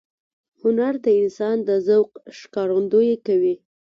هنر د انسان د ذوق ښکارندویي کوي.